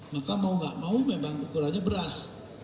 maka mau nggak mau memang ukurannya beras